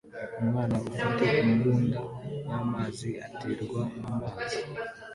Umwana ufite imbunda y'amazi aterwa amazi